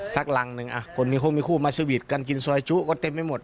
สักรังหนึ่งคนนี้เขามีคู่มาสวีทกันกินซอยจุก็เต็มไปหมด